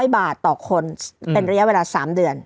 ๐บาทต่อคนเป็นระยะเวลา๓เดือน